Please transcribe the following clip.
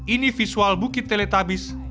ini visual bukit teletabis